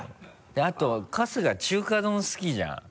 であと春日中華丼好きじゃん。